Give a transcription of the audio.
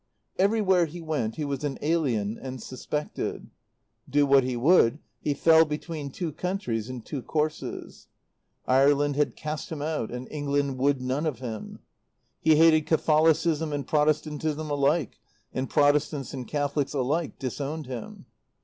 Everywhere he went he was an alien and suspected. Do what he would, he fell between two countries and two courses. Ireland had cast him out and England would none of him. He hated Catholicism and Protestantism alike, and Protestants and Catholics alike disowned him.